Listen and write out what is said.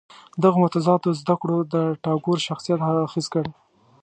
دغو متضادو زده کړو د ټاګور شخصیت هر اړخیز کړ.